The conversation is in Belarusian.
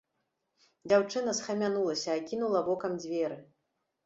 Дзяўчына схамянулася, акінула вокам дзверы.